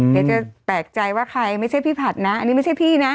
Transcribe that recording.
เดี๋ยวจะแปลกใจว่าใครไม่ใช่พี่ผัดนะอันนี้ไม่ใช่พี่นะ